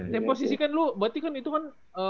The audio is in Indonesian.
temposisi kan lo berarti kan itu kan